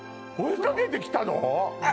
追いかけてきたの！？